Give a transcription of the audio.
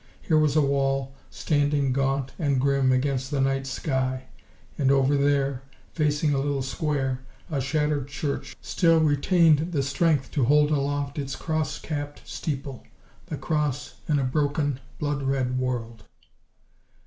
Here was a wall, standing gaunt and grim against the night sky; and over there, facing a little square, a shattered church still retained the strength to hold aloft its cross capped steeple. The Cross ... in a broken, blood red world!